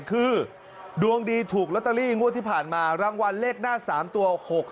คือดวงดีถูกลอตเตอรี่งวดที่ผ่านมารางวัลเลขหน้า๓ตัว๖๖